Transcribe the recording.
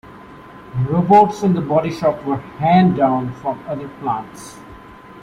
Robots in the body shop were hand-down from other plants.